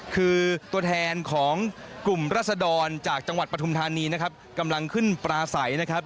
คือตัวแทนของกลุ่มรัศดรจากจังหวัดปฐุมธานีนะครับกำลังขึ้นปลาใสนะครับ